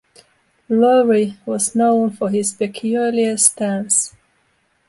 Lawry was known for his peculiar stance.